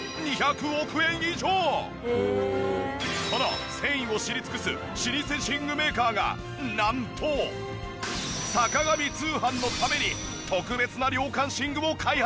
この繊維を知り尽くす老舗寝具メーカーがなんと『坂上通販』のために特別な涼感寝具を開発した！